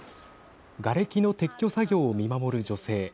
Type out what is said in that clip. がれきの撤去作業を見守る女性。